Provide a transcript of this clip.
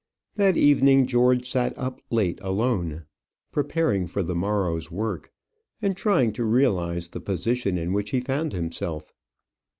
That evening George sat up late alone, preparing for the morrow's work, and trying to realize the position in which he found himself.